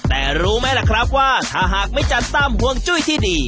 แต่รู้ไหมล่ะครับว่าถ้าหากไม่จัดตามห่วงจุ้ยที่ดี